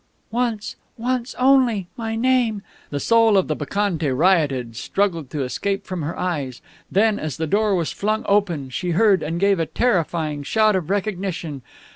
"Once once only my name!" The soul of the Bacchante rioted, struggled to escape from her eyes. Then as the door was flung open, she heard, and gave a terrifying shout of recognition.